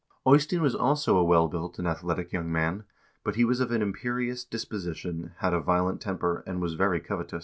Eystein was also a well built and athletic young man, but he was of an imperious disposition, had a violent temper, and was very covetous.